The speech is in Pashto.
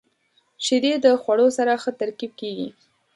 • شیدې د خوړو سره ښه ترکیب کیږي.